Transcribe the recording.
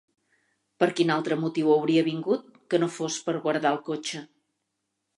Per quin altre motiu hauria vingut, que no fos per guardar el cotxe?